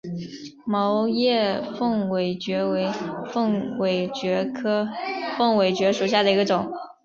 毛叶凤尾蕨为凤尾蕨科凤尾蕨属下的一个种。